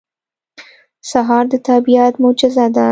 سهار د طبیعت معجزه ده.